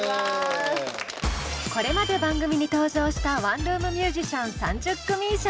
これまで番組に登場したワンルームミュージシャン３０組以上。